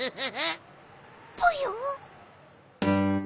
ぽよ？